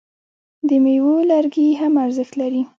د میوو لرګي هم ارزښت لري.